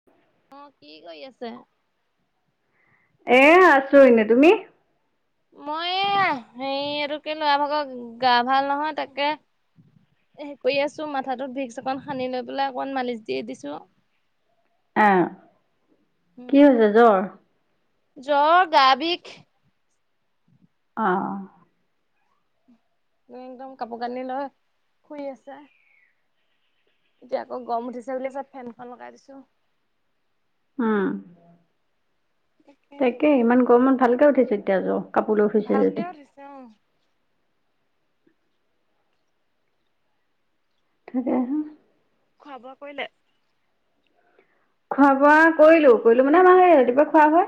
[inaudible] অ' কি কৰি আছে। এ, আছোঁ এনেই তুমি। মই এইয়া [unintelligible] এইটোকে লৰা ভাগৰ গা ভাল নহয় তাকে সেই কৰি আছো, মাথাটো ভিক্স অকন সানি লৈ পেলাই অকমান মালিচ দি দিছো। আহ, কি উম হৈছে জ্বৰ। জ্বৰ গা বিষ। অঁ', একদম কাপোৰ কানি লৈ শুই আছে। এতিয়া আকৌ গৰম উঠিছে বুলি কৈছে ফেনখন লগাই দিছো। উম্। [inaudible] তাকে ইমান গৰমত ভালকে উঠিছে তেতিয়া জ্বৰ, কাপোৰলৈ শুইছে ভালকে যদি। উঠিছে অ' থাকে হে। খোৱা বোৱা কৰিলে? খোৱা বোৱা কৰিলো, কৰিলো মানে আমাৰ সেই ৰাতিপুৱা খোৱা হয়।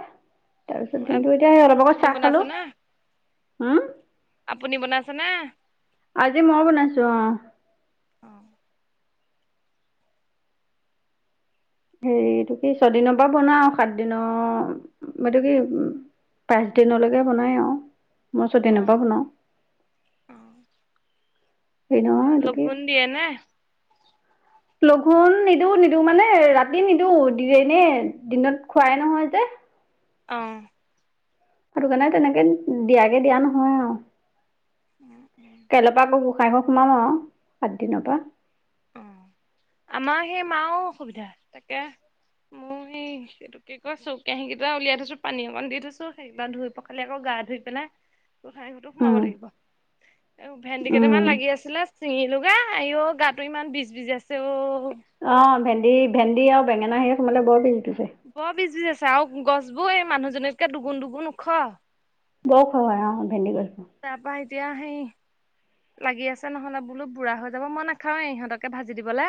তাৰ পিছত দিনটো এতিয়া সেই অলপ আগত আপুনি চাহ খালো। বনাইছে নে? হম্ আপুনি বনাইছে নে? আজি মই বনাইছো। অ', অ হেৰি এইটো কি, ছয় দিনৰ পৰা বনাও আৰু সাত দিনৰ এইটো কি উ্ পাঁচ দিনলৈকে বনাই আৰু মই ছয় অ দিনৰ পৰা বনাওঁ। হেৰি নহয় এইটো কি লঘোন দিয়ে নে? লঘোণ নিদিওঁ নিদিওঁ মানে, ৰাতি নিদিওঁ দি এনে দিনত খোৱাই নহয় যে, অ'। সেটোকাৰণে তেনেকে দিয়াকে দিয়া নহয় আৰু। উম উম। কাইলৰ পৰা আকৌ গোঁসাই ঘৰ সোমাম আৰু সাতদিনৰ পৰা। অহ্ আমাৰ সেই মাও অসুবিধা তাকে মোৰো সেই হৈছে। এইটো কি কয় চৰু কাঁহীকেইটা উলিয়াই থৈছো। পানী অকণ দি থৈছো, সেই কেইটা ধুই পখালি আকৌ গা ধুই পেলাই গোহাঁই ঘৰতো সোমাব উম লাগিব। এই ভেন্দি উম কেইটামান লাগি আছিলে চিঙিলো গে, আই ও গাত ইমান বিজ বিজ আছে অ'। অ' ভেন্দি ভেন্দি আৰু বেঙেনা সেইঅত সোমালে বৰ বিজবিজাই। বৰ বিজবিজাইছে আৰু গছবোৰ এই মানুহজনীতকে দুগুণ দুগুণ ওখ। বৰ ওখ হয় আও ভেন্দি গছ। তাৰপা এতিয়া সেই লাগি আছে নহ'লে বোলো বুঢ়া হৈ যাব, মই নাখাওঁৱে ইহঁতকে ভাজি দিবলে।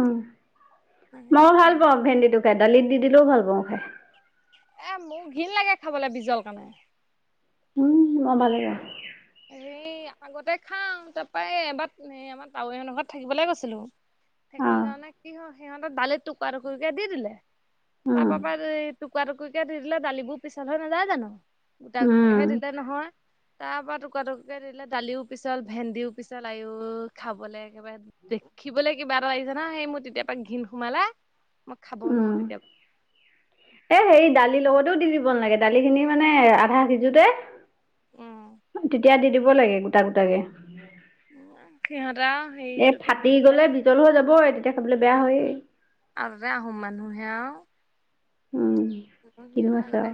উম মই ভাল পাওঁ ভেন্দিটো খাই দালিত দি দিলেও ভাল পাওঁ খাই। এ মোৰ ঘিণ লাগে খাবলে বিজল কাৰণে। উম মই ভালে পাওঁ। হেৰি আগতে খাওঁ, তাৰপৰা এই এবাৰ এই আমাৰ তাৱৈহঁতৰ ঘৰত থাকিবলে গৈছিলো। অ থাকিবলে যাওঁতে কি হ'ল সিহঁতৰ দালিত টুকুৰা টুকুৰকে দি দিলে। তাৰ উম পৰা এই টুকুৰা টুকুৰ কে দি দিলে দালিবোৰ পিছল হৈ নাযায় জানো? উম সেই দিলেই নহয় তাৰ পৰা টুকুৰা টুকুৰ কে দিলে দালিও পিছল ভেন্দিও পিছল আই ও খাবলৈ একেবাৰে দেখিবলৈ কিবা এটা লাগিছে নহয় সেই মোৰ তেতিয়াৰ পৰা ঘিণ সোমালে মই খাবো উম নোৱাৰো তেতিয়াৰ পৰা। এ হেৰি দালিৰ লগতো দি দিব নালাগে দালি খিনি মানে আধা সিজোতে উম তেতিয়া দি দিব লাগে গোটা গোটাকে। সিহঁত আও এ ফাটি গ'লে বিজল হৈ যাবই তেতিয়া খাবলৈ বেয়া হৈয়ে। আৰু তাতে আহম মানুহে আও। উম। টোকন কিনো সিহঁতৰ আছে আৰু আগতে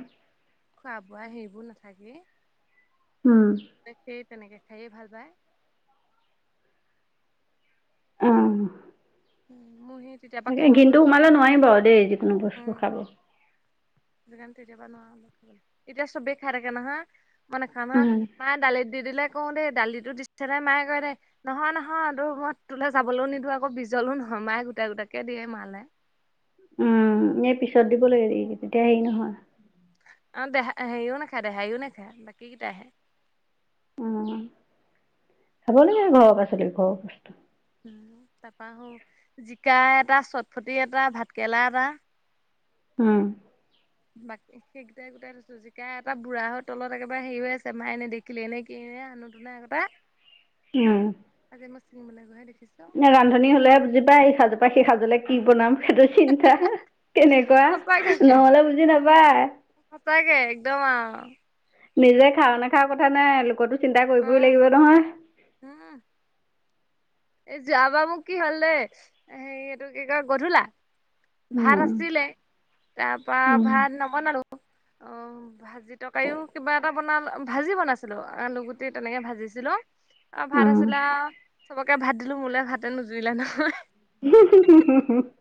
খোৱা বোৱা হেৰিবোৰ নাথাকেই। উম। ত সেই তেনেকে খাইয়ে ভাল পায়। অহ। উম মোৰ হেত তাকে ঘিণটো সোমালে নোৱাৰিম বাৰু দেই যিকোনো বস্তু খাব। সেইকাৰণে তেতিয়াৰ পৰা নোৱাৰো নিকি, এতিয়া চবে খাই থাকে নহয়। মই নেখাওঁ নহয়, উম, মায়ে দালিত দি দিলে কওঁ দেই দালিটো দিছে নাই মায়ে কয় দে নহয় নহয় তোৰ মই তোলে যাবলৈ নিদিওঁ আকৌ বিজলো নহয় মায়ে গোটাই গোটাকে দিয়ে মালে। উম এ পিছত দিব লাগে তেতিয়া হেৰি নহয়। অ দেহা হেৰিও নাখায় দেহাইও নাখায় বাকী কেইটা হে। অহ খাব লাগে ঘৰৰ পাছলি ঘৰৰ বস্তু। উম তাপা অহ জিকা এটা চটফটি এটা ভাতকেৰেলা এটা উম। বাকি সেই গোটাই গোটাই দিছোঁ। জিকা এটা বুঢ়া হৈ তলত একেবাৰে হেৰি হৈ আছে মায় নেদেখিলে নেই কিয়ে অনুটোনে নে আগতে [unintelligible] উম। আজি মই ছিঙিবলৈ গৈহে দেখিছো। নে ৰান্ধনী হ'লে হে বুজি পায় ইসাজৰ পা সিসাজ লে কি বনাম। সেইটো চিন্তা কেনেকুৱা সঁচাকে নহলে বুজি নাপায়। সঁচাকে একদম আও। নিজে খাওঁ নাখাওঁ কথা নাই লোকতো চিন্তা অ কৰিবই লাগিব নহয়। উম। এ যোৱাবাৰ মোক কি হল দেই হেৰি এইটো কি কয় গধূলা ভাত আছিলে তাৰ পা ভাত নবনালো, অহ। ভাজি টকাৰিও কিবা এটা বনালো ভাজি বনাইছিলো আলুগুটি তেনেকে ভাজিছিলো। আৰু ভাত আছিলে আও, চবকে ভাত দিলোঁ মোলে ভাতে নোজুৰিলে নহয়। [unintelligible]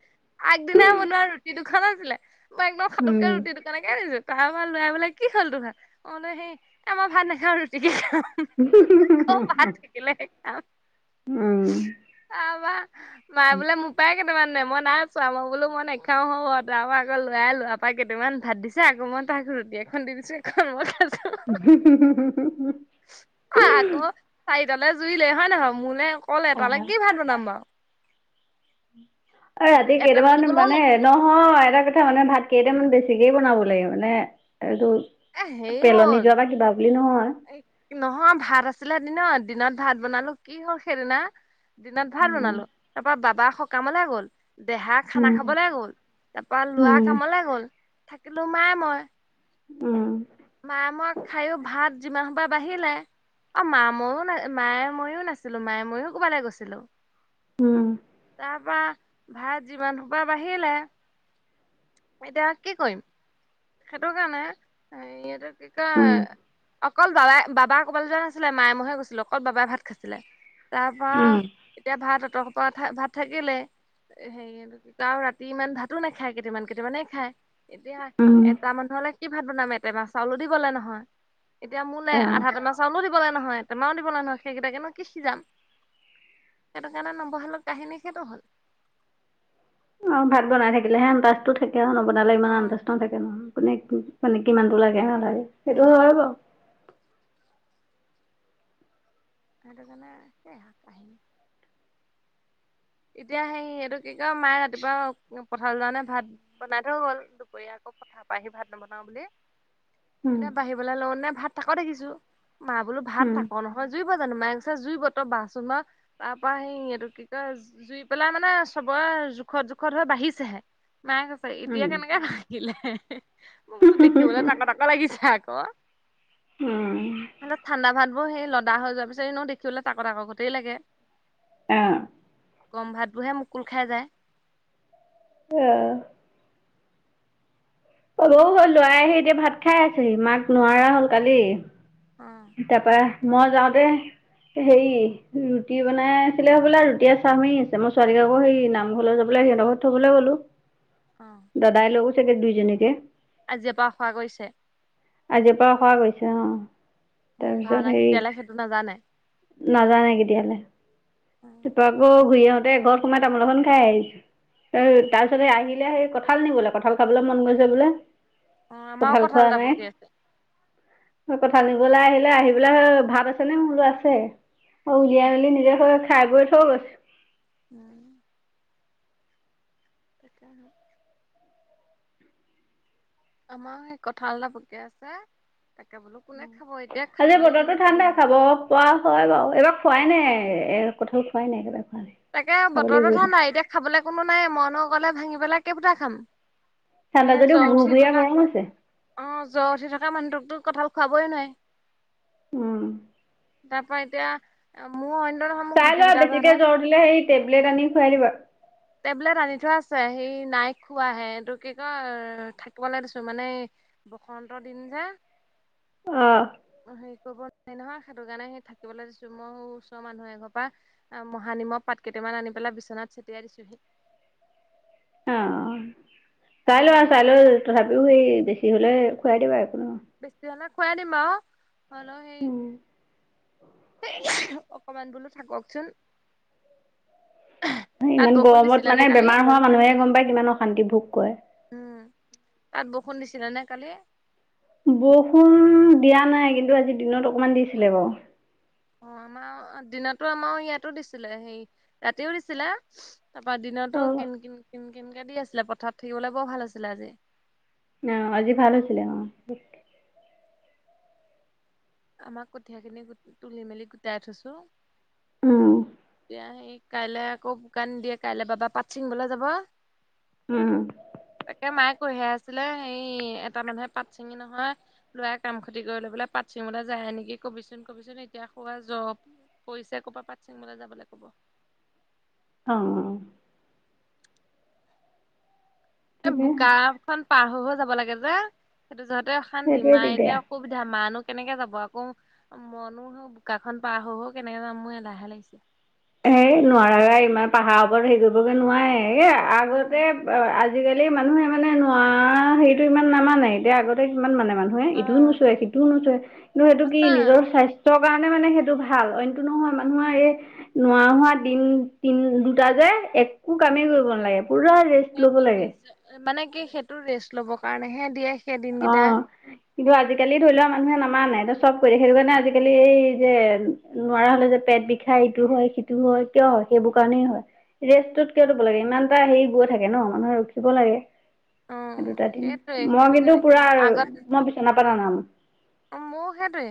আগদিনাই বনোৱা ৰুটি দুখন আছিলে, মই একদম খাতকে ৰুটি দুখ কেনেকে দিছো তাৰপৰা লৰাই বোলে কি হ'ল তোমাৰ? মই বুলো হেই এ, মই ভাত নাখাওঁ ৰুটিকে খাওঁ। আকৌ [inaudible] [unintelligible] উম। তাপা মায়ে বোলে মোক মোপাই কেইটামান নে মই নাইচোৱা, মই বোলো নেখাওঁ হো আৰু তাৰপৰা আকৌ লৰাই লৰাপা কেইটামান ভাত দিছ ছে আকৌ মই তাক ৰুটি এখন দি দিছোঁ এখন মই খাই আকৌ [inaudible] চাৰিটালে জুইলে হয় নহয়? মোলে অকল অ এটালে কি ভাত বনাম বাৰু। ৰাতি এটেমা কেইটামান দিবলৈও ন মানে নহয় এটা কথা মানে ভাত কেইটামান বেছিকেই বনাব লাগে মানে এইটো, এ হেৰি পেলনি হ'ল যোৱা বা কিবা বুলি নহয়। নহয় ভাত আছিলে দিনত, দিনত ভাত বনালো কি হ'ল সেইদিনা দিনত ভাল উম বনালো, তাৰ পৰা বাবা সকামলে গল। দেহা খানা উম খাবলে গ'ল, তাপা ল'ৰা উম কামলে গ'ল, থাকিলোঁ মায়ে মই। উম। মায়ে মইয়ে খায়ো ভাত যিমান সোপা বাঢ়িলে। অ', মা ময়ো না মায়ে ময়ো নাছিলো মায়ে ময়ো কবালে গৈছিলো। উম। তাপা ভাত যিমান সোপা বাঢ়িলে, এতিয়া কি কৰিম? সেইটো কাৰণে, হেৰী এইটো কি উম উম কয় অকল বাবাই বাবা ক'বালে যোৱা নাছিলে মায়ে মহহে গৈছিলেো, অকল বাবাই ভাত খাইছিলে। তাৰ পৰা, উম, এতিয়া ভাত অত সোপা ভাত থাকিলে। হেৰি আৰু ৰাতি ইমান ভাতো নাখায়, কেতেমান কেতেমানে খায়। এতিয়া উম, এটা মানুহলে কি ভাত বনাম? এটেমা চাউলো দিবলে নহয়। এতিয়া মোলে অ আধা টেমা চাউলো দিবলে নহয়। টেমাও দিবলে নহয় সেইকেইটাকেনো কি সিজাম? সেইটো কাৰণে নবহালো কাহিনী সেইটো হ'ল। অ', ভাত বনাই থাকিলেহে আন্তাজটো থাকে আৰু নবনালে অ ইমান আন্তাজ নাথাকে নহয় কোনে কি মানে কিমানতটো লাগে নালাগে, সেইটো উম হয় বাৰু। সেইটো কাৰণে সেয়া কাহিনী। এতিয়া হেই এইটো কি কয় মায়ে ৰাতিপুৱা পথাৰলৈ যাওনে ভাত বনাই থৈ গল দুপৰীয়া। আকৌ পথাৰপা আহি ভাত নবনাওঁ বুলি। উম এতিয়া বাহিবলে লওঁতেনে ভাত তাক দেখিছোঁ, মা বোলো ভাত উম তাক নহ জুইব জানো মায়ে কৈছে জুইব তই বাহচোন বাৰু। তাৰ পাৰ হেই এইটো কি কয় জুই পেলাই মানে চবৰে জোখত জোখত হৈ বাঢ়িছেহে। মায়ে কৈছে এতিয়া উম কেনেকে ভা লে, মই কৈছোঁ দেখিবলে তাক তাক লাগিছে আকৌ। উম এনেও ঠাণ্ডা ভাতবোৰ হেই লদা হৈ যোৱাৰ পিছত এনেও দেখিবলৈ তাক তাক গতেই লাগে। অ'। গৰম ভাতবোৰহে মুকুল খাই যায়। অ'। অলৌ হেই লৰাই আহি এতিয়া ভাত খাই আছেহি, মাক নোৱাৰা হল কালি। উম। তাপা মই যাওঁতে হেৰি ৰুটি বনাই আছিলে হ'বলা, ৰুটিয়ে চাহমাৰি আছে, মই ছোৱালীক আকৌ সেই নামঘৰলে যাবলে, সিহতৰ ঘৰত থবলে গ'লো। অ' দাদাই লৈ গৈছেগে দুইজনীকে। আজিৰে পৰা অসৰা কৰিছে। আজিৰে পৰা অসৰা কৰিছে, অ' উম, তাৰপিছত ভাওনা হেৰি কেতিয়ালে সেইটো নেজানে? নাজানে কেতিয়ালে, তাপা অ', আকৌ ঘূৰি আহোতে ঘৰত সোমাই তামোল এখন খাই আহিছো। এ তাৰ পিছতে আহিলে সেই কঁঠাল নিবলে কঁঠাল খাবলৈ মন গৈছে বোলে। আমাৰো কঠাল কঁঠাল খোৱা এটা নাই, পকি আছে। এই কঠাল নি বলে আহিলে, আহি পেলাই ভাত আছেনে মই বোলো আছে। অ', উলিয়াই মেলি নিজে সেয়া খাই বৈ থৈ গৈছে। উম। তাকেহে। আমাৰো সেই কঁঠাল এটা পকি আছে, তাকে বোলো কোনে খাব, এতিয়া খাবলে কোনো নাই। খোৱা হয় বাৰু, এবাৰ খোৱাই নাই এ কঠাল খোৱাই নাই, একেবাৰে খোৱা নাই। তাকে খাব বতৰতো লাগিব ঠাণ্ডা, এতিয়া খাবলে কোনো নাই, মইনো অকলে ভাঙি পেলাই কেইফোটা খাম। ঠাণ্ডা সেই যদিও জ্বৰ ভূৰ উঠি ভুৰীয়া থকা গৰম আছে। অ', জ্বৰ উঠি থকা মানুহটোকতো কঁঠাল খোৱাবই নোৱাৰি। উম। তাৰ পৰা এতিয়া, মোৰ অইনটো নহয় মোৰ গুটি গিতা জহত হে। বোলে, সেই টেবলেট আনি খুৱাই দিবা। টেবলেট আনি থোৱা আছে, হেই নাই খোৱাহে, এইটো কি কয় থা থাকিবলে দিছো মানে এই বসন্ত দিন যে অহ হেৰি কৰিব নোৱাৰি নহয়, সেইটো কাৰণে সেই থাকিবলৈ দিছো মইও ওচৰৰ মানুহ এঘৰপা আ, মহানিমৰ পাত কেইটামান আনি পেলাই বিচনাত চটিয়াই দিছোহি। অ', চাই আজি লোৱা, চাই মংগলবাৰ লৈ যে তথাপিও সেই বেছি হলে খুৱাই দিবা একো নহয়। বেছি হলে খুৱাই দিমা বাৰু, হ'লেও সেই নহয়। অকমান বোলো থাককচোন। তাত ইমান বৰষুণ গৰমত দিছিলে মানে নে কালি বেমাৰ হোৱা মানুহেহে গম পায়, কিমান অশান্তি ভোগ কৰে। উম, তাত বৰষুণ দিছিলে নে কালি? বৰষুণ দিয়া নাই, কিন্তু আজি দিনত অকমান দিছিলে বাৰু। অ', আমাও দিনতো আমাও ইয়াতো দিছিলে হেৰী ৰাতিও দিছিলে। তাৰপা, দিনতো কিন কিন কিন কিনকে দি আছিলে, পথাৰত থাকিবলৈ বৰ ভাল আছিলে আজি। অ', আজি ভাল হৈছিলে অ' আমাক কঠীয়া খিনি গোট তুলি মেলি গোটাই থৈছো। উম। এতিয়া সেই কাইলৈ আকৌ বোকা নিদিয়ে, কাইলে বাবা পাট চিঙিবলে যাব। উম, তাকে মায়ে কৈহে আছিলে হেৰী, এটা মানুহে পাত চিঙি নহয়। লৰাই কাম খতি কৰি লৈ পেলাই পাট চিঙিবলে যায়ে নেকি কবিচোন কবিচোন এতিয়া সোৱা জ পৰিছে কৰপৰা পাত চিঙিবলে যাবলে কব। অ' এই তাকে বোকা খন পাৰ হৈ হৈ যাব লাগে যে, সেইটো যহতে অশান্তি, সেইটোৱে মায়ে এতিয়া দিগদাৰ। অসুবিধা মানো কেনেকে যাব আকৌ। মনো নো বোকাখন পাৰ হৈ কেনেকে যাম মোৰ এলাহে লাগিছে। এই নোৱাৰা ইমান পাহাৰ ওপৰত হেৰি কৰিবগে নোৱাৰে, এই আগতে আজিকালি মানুহে মানে নোৱাৰা হেৰিটো ইমান নামানে এতিয়া আগতে কিমান মানে মানে নে অ ইটোও নোচুৱে, সিটোও নোচুৱে কিন্তু, সেইটো কি সঁচা নিজৰ স্বাস্থ্যৰ কাৰণে মানে, সেইটো ভাল অ'। নহয় মানুহৰ এই নুৱা হোৱা দিন, দিন দুটা যে, একো কামেই কৰিব নালাগে পুৰা ৰেছ মানে কি, সেইটো ৰেষ্ট ল'ব কাৰণেহে দিয়ে। সেই দিনকেইটা অ'। কিন্তু, আজিকালি ধৰিলওঁ মানুহে নামানে, চব কৰি দিয়ে, সেইটো কাৰণে আজিকালি এই যে নোৱাৰা হ'লে যে পেট বিষায়, ইটো হয় সিটো হয়, কিয় হয় সেইবোৰ কাৰণেই হয়। ৰেষ্টটো কিয় ল'ব লাগে, ইমান এটা হেৰি গৈ থাকে ন, মানুহে ৰখিব লাগে। অ', দুটা দিন, সেইটোৱে মই সেইটো কিন্তু কাৰণে পুৰা আৰু আগত মই বিচনা পৰা নানামো। মোৰ সেইটোৱে।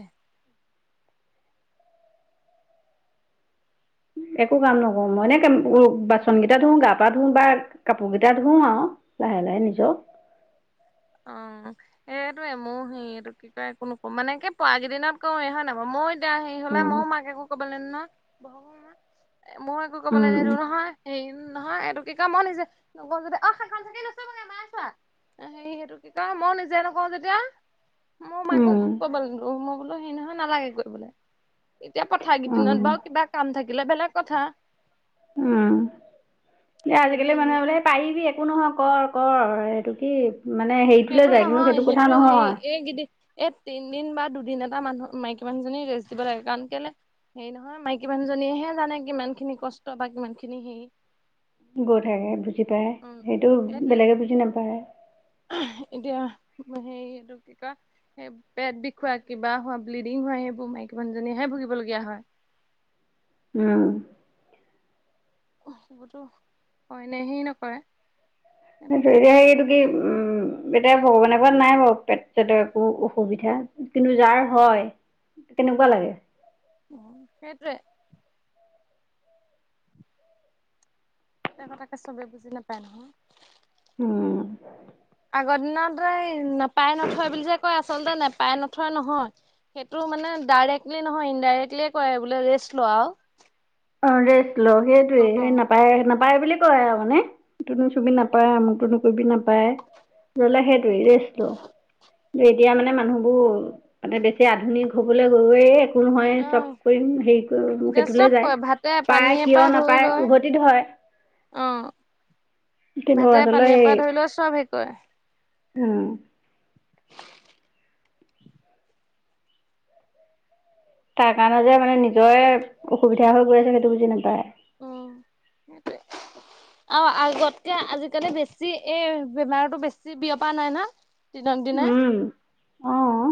একো কাম নকৰো মই, এনকে বাচন কেইটা ধো, গা পা ধুও বা কাপোৰ কেইটা ধোও আৰু। লাহে লাহে নিজৰ। অ'। এইটোয়ে মোৰ সি এইটো কি কয়, একো নকৰোঁ, মানে কি পৰা কেইদিনত কৰোৱে হয় নাই বাৰু, মই এতিয়া হেৰি হলে উম মইয়ো মাক একো কৰিবলৈ নিডো নহয়, মইও একো কৰিব উম নীদো নহয়। হে নহয়, এইটো কি কয় কি কয়, মইও নিজে নকৰো যেতিয়া, মইও মাকো উম কৰিবলৈ নীদু, মই হেই নহয় নালাগে কৰিবলে, এতিয়া কথা হেই কেইদিনত উম বাৰু কিবা কাম থাকিলে বেলেগ কথা। উম, এ কিন্তু আজিকালি এনে মানুহে বোলে পাৰিবি একো নহয় কৰ কৰ, এইটো কি মানে হেৰিটোলে যায় কিন্তু সেইটো কথা নহয়। কে কি দিন এই তিনদিন বা দুদিন এটা মানুহ মাইকী মানুহজনী, ৰেষ্ট দিব লাগে, কাৰণ কেইলে হেৰি নহয়, মাইকী মানুহজনীয়েহে জানে কিমান খিনি কষ্ট বা কিমান খিনি হেৰি। গ'লেহে বুজি পায়, উম সেইটো সেইটোৱে বেলেগে বুজি নাপায়। এতিয়া হেৰি এইতো কি কয় এই পেট বিষ হোৱা, কিবা হোৱা, ব্লিডিং হোৱা, সেইবোৰ মাইকী মানুজনীহে ভুগিবলগীয়া হয়। উম। অইনে সেই নকৰে। সেইটো সেইটোৱে, কাৰণে এ হেৰিটো কি উম, এতিয়া ভগৱানে কৰাত নাই বাৰু পেট-ছেট একো অসুবিধা। কিন্তু যাৰ হয়, কেনেকুৱা লাগে। সেইটোৱে। উম আগৰ দিনত নেপাই নথয় বুলি যে কয়, আচলতে নেপাই নথয় নহয়। সেইটো মানে, ডাইৰেক্টলি নহয়, ইনডাইৰেক্টলিয়ে কৈ বোলে ৰেষ্ট লোৱা আৰু। অ', ৰেষ্ট ল সেইটোৱে সেই নাপায় নাপায় বুলি কয় আৰু মানে, ইটো নুচুবি নাপাই, আমোকটো নুচুবি নাপাই। ল'লে সেইটোৱে ৰেষ্টটো ল। এতিয়া মানে মানুহবোৰ, মানে বেছি আধুনিক হ'বলৈ গৈয়ে কোন হয়, চব অ', কৰিম, হেৰি কৰি সেইটোলৈ যায়। দে পায় পানীয়ে কিয় পৰা ধৰি নাপায় লয় উভতি ধৰে অ'। কিন্তু ভাতে পানীৰ আচলতে পৰা ধৰি লৈ চব হেৰি কৰে। উম। তাৰ কাৰণে যে মানে নিজৰে অসুবিধা হৈ গৈ আছে সেইটো বুজি নাপায়। উম সেইতোৱে। অ' আগতকে আজিকালি বেছি এই বেমাৰতো বেছি বিয়পা নাই না? দিনক দিনে উম অঁ